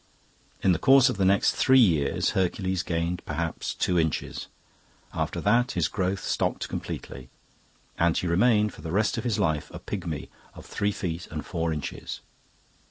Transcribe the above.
In the course of the next three years Hercules gained perhaps two inches. After that his growth stopped completely, and he remained for the rest of his life a pigmy of three feet and four inches.